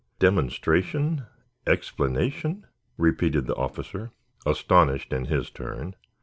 "Demonstration? Explanation?" repeated the officer, astonished in his turn.